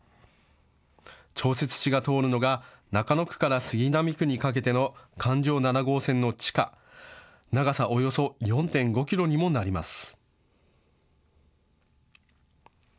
調節池が通るのが中野区から杉並区にかけての環状７号線の地下、長さおよそ４．５キロにもなります。